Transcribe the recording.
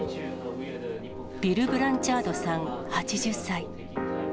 ビル・ブランチャードさん８０歳。